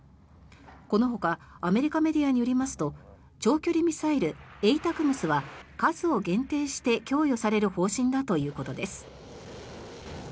このほかアメリカメディアによりますと長距離ミサイルＡＴＡＣＭＳは数を限定して供与される方針だということです。